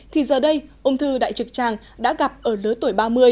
thì giờ đây ung thư đại trực tràng đã gặp ở lứa tuổi ba mươi